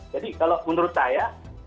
jadi kalau menurut saya